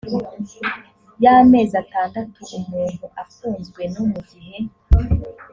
y amezi atandatu umuntu afunzwe no mu gihe